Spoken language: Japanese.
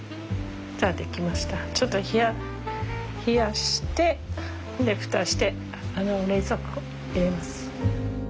ちょっと冷やして蓋して冷蔵庫入れます。